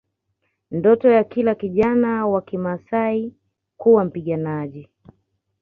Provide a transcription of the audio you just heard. Ndoto ya kila kijana wa Kimaasai kuwa mpiganaji